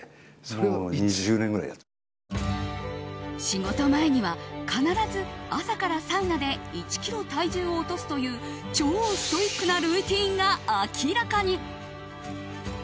仕事前には必ず朝からサウナで１ｋｇ体重を落とすという超ストイックなルーティンが明らかに。